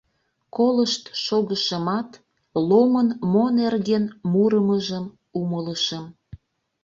Колышт шогышымат, Ломын мо нерген мурымыжым умылышым.